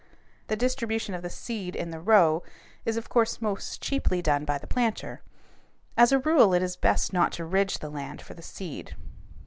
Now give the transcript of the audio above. The distribution of the seed in the row is of course most cheaply done by the planter. As a rule it is best not to ridge the land for the seed.